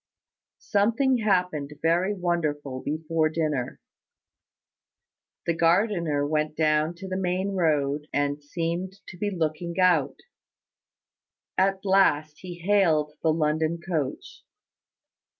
Something happened very wonderful before dinner. The gardener went down to the main road, and seemed to be looking out. At last he hailed the London coach.